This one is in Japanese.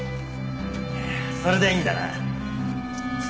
それでいいんだな？